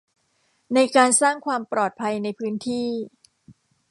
ในการสร้างความปลอดภัยในพื้นที่